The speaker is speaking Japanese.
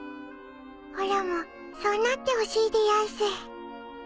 おらもそうなってほしいでやんす。